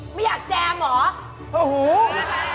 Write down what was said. ไม่อยากแจมเหรอโอ้โฮไม่อยากแจม